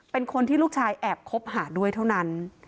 เป็นคนที่ลูกชายแอบคบหาด้วยเท่านั้น